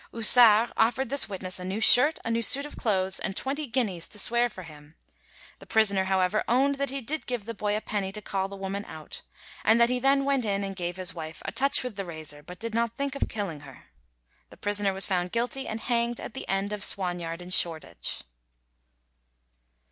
Houssart offered this witness a new shirt, a new suit of clothes, and twenty guineas to swear for him. The prisoner, however, owned that he did give the boy a penny to call the old woman out, and that he then went in and gave his wife "a touch with the razor, but did not think of killing her." The prisoner was found guilty and hanged at the end of Swan yard in Shoreditch.